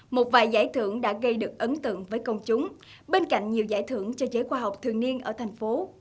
một vài giải thưởng đã gây được ấn tượng với công chúng bên cạnh nhiều giải thưởng cho giới khoa học thường niên ở thành phố